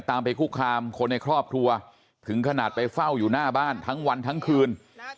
ไปคุกคามคนในครอบครัวถึงขนาดไปเฝ้าอยู่หน้าบ้านทั้งวันทั้งคืน